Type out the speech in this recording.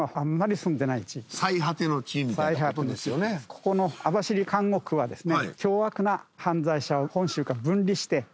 ここの網走監獄はですね。